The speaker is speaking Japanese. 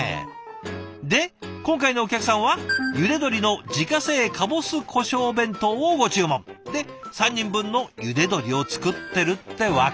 で今回のお客さんは「ゆで鶏の自家製かぼす胡椒弁当」をご注文。で３人分のゆで鶏を作ってるってわけ。